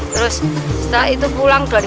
terus setelah itu pulang dua ribu satu kan